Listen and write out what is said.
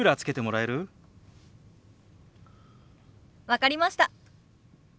分かりました。